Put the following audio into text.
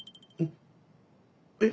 えっ？